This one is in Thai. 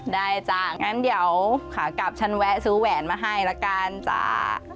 จ้ะงั้นเดี๋ยวขากลับฉันแวะซื้อแหวนมาให้ละกันจ้า